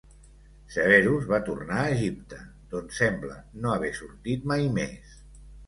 Severus va tornar a Egipte, d'on sembla no haver sortit mai més.